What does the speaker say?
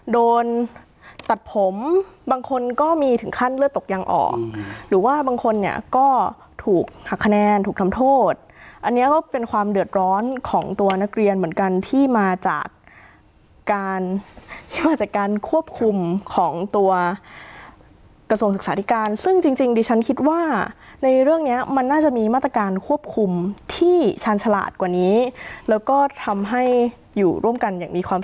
โดนตัดผมบางคนก็มีถึงขั้นเลือดตกยังออกหรือว่าบางคนเนี่ยก็ถูกหักคะแนนถูกทำโทษอันนี้ก็เป็นความเดือดร้อนของตัวนักเรียนเหมือนกันที่มาจากการที่มาจากการควบคุมของตัวกระทรวงศึกษาธิการซึ่งจริงจริงดิฉันคิดว่าในเรื่องเนี้ยมันน่าจะมีมาตรการควบคุมที่ชาญฉลาดกว่านี้แล้วก็ทำให้อยู่ร่วมกันอย่างมีความ